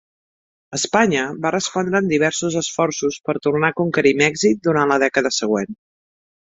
Espanya va respondre amb diversos esforços per tornar a conquerir Mèxic durant la dècada següent.